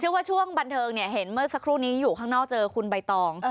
ว่าช่วงบันเทิงเนี่ยเห็นเมื่อสักครู่นี้อยู่ข้างนอกเจอคุณใบตอง